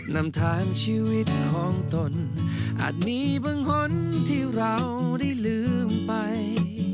นำทางชีวิตของตนอาจมีบางคนที่เราได้ลืมไป